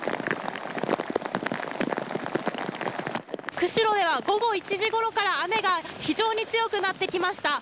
釧路では午後１時ごろから雨が非常に強くなってきました。